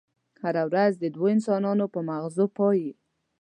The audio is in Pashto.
هره ورځ د دوو انسانانو په ماغزو پايي.